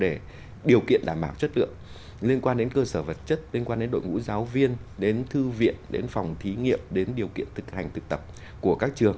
đặc biệt quan tâm ở đây làm sao để điều kiện đảm bảo chất lượng liên quan đến cơ sở vật chất liên quan đến đội ngũ giáo viên đến thư viện đến phòng thí nghiệm đến điều kiện thực hành thực tập của các trường